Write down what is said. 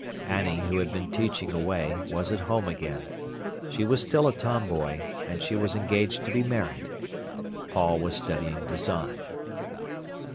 Annie, who had been teaching away, was at home again. She was still a tomboy; and she was engaged to be married. Paul was studying design.